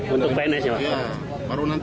untuk pns ya pak